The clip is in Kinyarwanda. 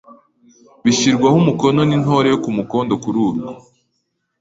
bishyirwaho umukono n’Intore yo ku mukondo kuri urwo